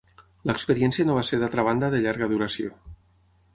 L'experiència no va ser d'altra banda de llarga duració.